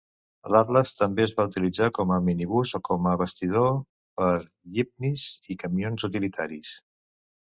L'Atles també es va utilitzar com a minibús o com a bastidor per yipnis i camions utilitaris.